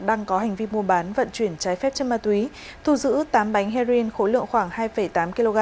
đang có hành vi mua bán vận chuyển trái phép chất ma túy thu giữ tám bánh heroin khối lượng khoảng hai tám kg